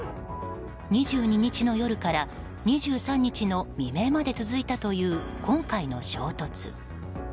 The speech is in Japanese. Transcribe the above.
２２日の夜から２３日の未明まで続いたという今回の衝突。